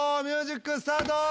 ミュージックスタート。